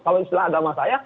kalau istilah agama saya